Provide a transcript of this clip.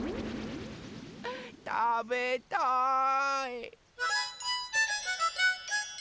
たべたい！